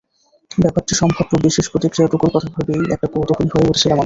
ব্যাপারটির সম্ভাব্য বিশেষ প্রতিক্রিয়াটুকুর কথা ভেবেই এতটা কৌতুহলী হয়ে উঠেছিলাম আমি।